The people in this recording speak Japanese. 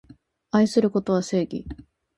愛することは正義